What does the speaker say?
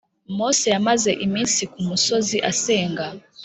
Mose yamaze iminsi ku musozi asenga